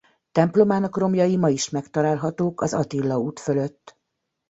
Templomának romjai ma is megtalálhatók az Attila út fölött.